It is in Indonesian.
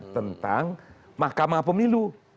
tentang mahkamah pemilu